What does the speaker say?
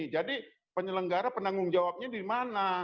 jadi penyelenggara penanggung jawabnya di mana